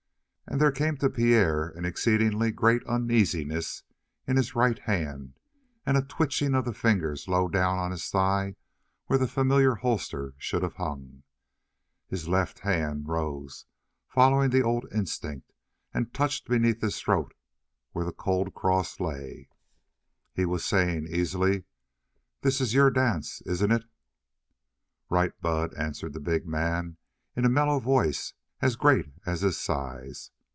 And there came to Pierre an exceedingly great uneasiness in his right hand, and a twitching of the fingers low down on his thigh where the familiar holster should have hung. His left hand rose, following the old instinct, and touched beneath his throat where the cold cross lay. He was saying easily: "This is your dance, isn't it?" "Right, Bud," answered the big man in a mellow voice as great as his size.